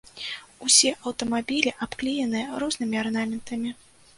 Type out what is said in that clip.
Усе аўтамабілі абклееныя рознымі арнаментамі.